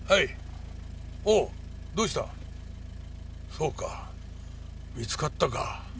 そうか見つかったか。